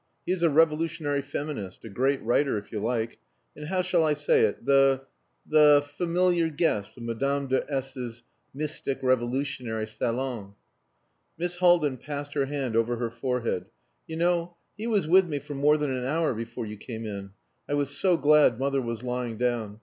He is a revolutionary feminist, a great writer, if you like, and how shall I say it the the familiar guest of Madame de S 's mystic revolutionary salon." Miss Haldin passed her hand over her forehead. "You know, he was with me for more than an hour before you came in. I was so glad mother was lying down.